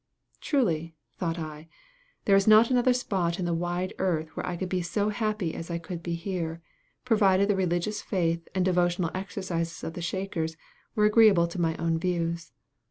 Truly, thought I, there is not another spot in the wide earth where I could be so happy as I could be here, provided the religious faith and devotional exercises of the Shakers were agreeable to my own views.